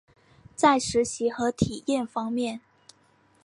在实习和体验方面